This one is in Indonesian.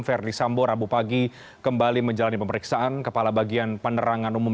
verdi sambo rabu pagi kembali menjalani pemeriksaan kepala bagian penerangan umum